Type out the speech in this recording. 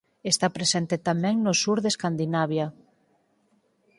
Está presente tamén no sur de Escandinavia.